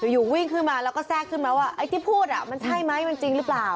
อยู่วิ่งขึ้นมาแล้วก็แทรกขึ้นมาว่าไอ้ที่พูดมันใช่ไหมมันจริงหรือเปล่า